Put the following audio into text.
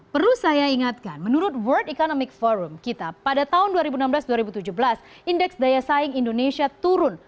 perlu saya ingatkan menurut world economic forum kita pada tahun dua ribu enam belas dua ribu tujuh belas indeks daya saing indonesia turun